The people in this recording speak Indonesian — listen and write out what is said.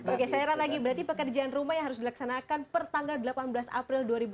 oke saya heran lagi berarti pekerjaan rumah yang harus dilaksanakan per tanggal delapan belas april dua ribu delapan belas